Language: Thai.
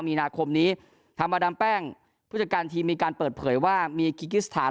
มีนาคมนี้ธรรมดามแป้งผู้จัดการทีมมีการเปิดเผยว่ามีกิกิสถาน